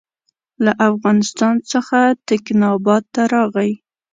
له افغانستان څخه تکیناباد ته راغی.